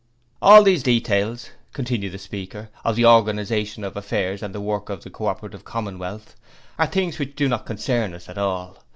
'All these details,' continued the speaker, 'of the organization of affairs and the work of the Co operative Commonwealth, are things which do not concern us at all.